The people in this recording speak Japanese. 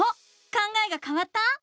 考えがかわった？